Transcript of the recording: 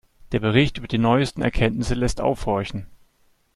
Der Bericht über die neuesten Erkenntnisse lässt aufhorchen.